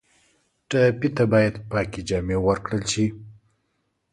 ټپي ته باید پاکې جامې ورکړل شي.